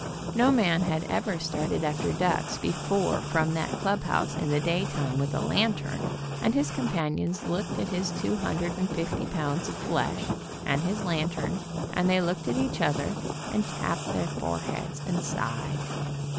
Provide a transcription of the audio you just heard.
No man had ever started after ducks before from that clubhouse, in the daytime, with a lantern, and his companions looked at his two hundred and fifty pounds of flesh, and his lantern, and they looked at each other and tapped their foreheads, and sighed.